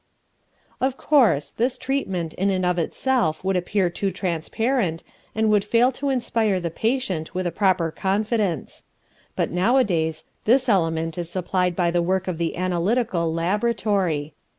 Of course, this treatment in and of itself would appear too transparent, and would fail to inspire the patient with a proper confidence. But nowadays this element is supplied by the work of the analytical laboratory.